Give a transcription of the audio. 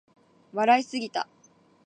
笑いすぎた